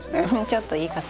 ちょっと言い方。